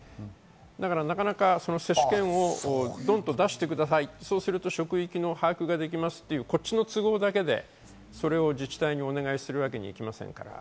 なかなか接種券をドンと出してください、職域が把握できますと、こっちの都合だけでそれを自治体にお願いするわけにはいきません。